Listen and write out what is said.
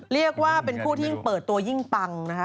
เรียกว่าเป็นผู้ที่ยิ่งเปิดตัวยิ่งปังนะคะ